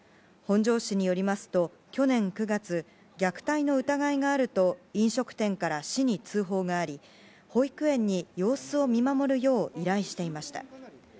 本庄市によりますと、去年９月虐待の疑いがあると飲食店から市に通報があり保育園に様子を見守るよう依頼していました。